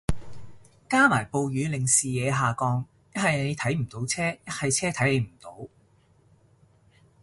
加埋暴雨令視野下降，一係你睇唔到車，一係車睇你唔到